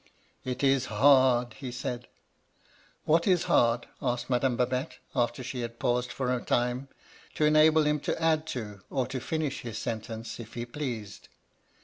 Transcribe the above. «' It is hard !' he said. "> What is hard ?' asked Madame Babette, after she had paused for a time, to enable him to add to, or to finish, his sentence, if he pleased.